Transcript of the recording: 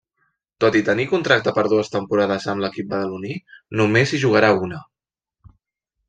Tot i tenir contracte per dues temporades amb l'equip badaloní només hi jugarà una.